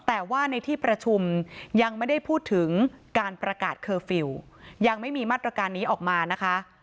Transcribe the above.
แต่ว่าในที่ประชุมยังไม่ได้พูดถึงการประกาศเคอร์ฟิลล์ยังไม่มีมาตรการนี้ออกมานะคะ